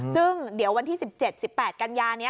ซึ่งเดี๋ยววันที่๑๗๑๘กันยานี้